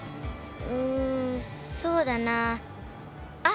うんそうだなあ。